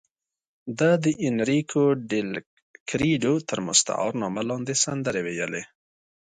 ده د اینریکو ډیلکریډو تر مستعار نامه لاندې سندرې ویلې.